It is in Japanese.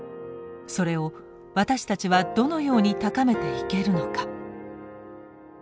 それを私たちはどのように高めていけるのか。